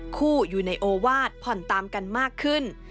คู่อยู่ในโอวาสผ่อนตามกันมากขึ้น